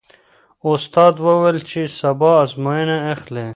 استاد وویل چې سبا ازموینه اخلي.